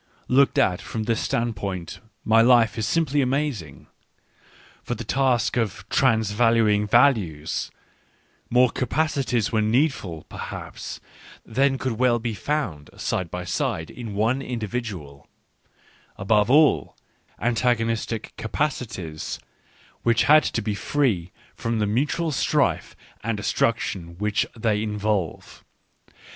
Looked at from this standpoint my life is simply amazing. For the task of transvaluing values, more capaci ties were needful perhaps than could well be found side by side in one individual ; and above all, an tagonistic capacities which had to be free from the mutual strife and destruction which they involve.